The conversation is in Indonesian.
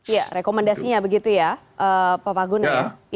ya rekomendasinya begitu ya pak palguna